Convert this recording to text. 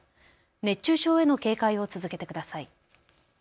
熱中症への警戒を続けてください。